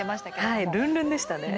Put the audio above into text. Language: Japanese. はい、ルンルンでしたね。